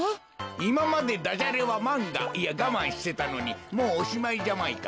いままでダジャレはまんがいやがまんしてたのにもうおしまいジャマイカ。